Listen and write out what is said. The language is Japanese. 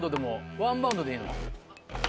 ワンバウンドでいいの？